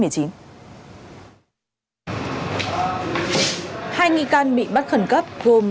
hai nghi can bị bắt khẩn cấp gồm